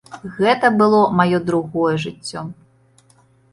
Гэта было маё другое жыццё.